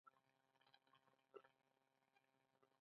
آیا ډیرو خلکو هلته شتمني ونه موندله؟